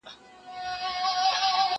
زه له سهاره کتابونه ليکم؟!؟!